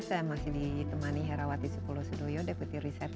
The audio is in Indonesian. saya masih ditemani herawati sukulosedoyo deputi riset